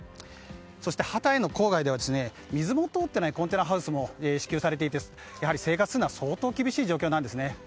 そしてハタイの郊外では水も通ってないコンテナハウスも支給されていてやはり生活するには相当厳しい状況なんですね。